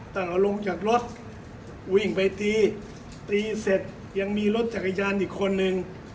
เราลงจากรถวิ่งไปตีตีเสร็จยังมีรถจักรยานอีกคนนึง